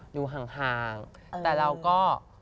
ดูห่างแต่เราก็